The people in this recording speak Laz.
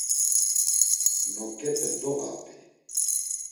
Noǩepe doğapi.